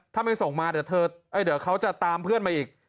ถ้าไม่ส่งมาเดี๋ยวเขาจะตามเพื่อนมาอีก